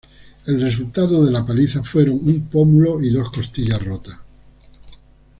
El resultado de la paliza fueron un pómulo y dos costillas rotas.